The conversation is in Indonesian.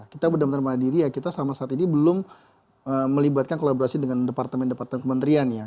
kita benar benar mandiri ya kita sama saat ini belum melibatkan kolaborasi dengan departemen departemen kementerian ya